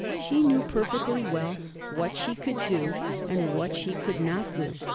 She knew perfectly well what she could do and what she could not do.